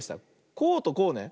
こうとこうね。